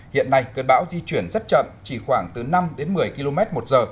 hiện nay cơn bão di chuyển rất chậm chỉ khoảng từ năm đến một mươi km một giờ